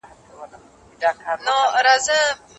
قسم او عدل د مسلماني او کتابيه ميرمني تر منځ هم سته.